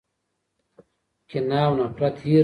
کینه او نفرت هیر کړئ.